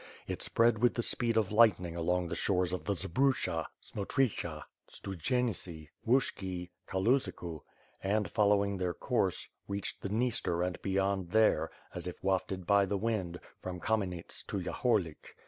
It spread with the speed of lightning along the shores of the Zbrucha, Smotry cha, Studzienicy, Uushki, Kalusiku, and, follo^ving their course, reached the Dniester and beyond there, as if wafted by the wind, from Kamenets to Yahorlik.